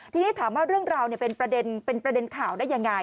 ทีนี้ถามว่าเรื่องราวเป็นประเด็นข่าวได้ยังไง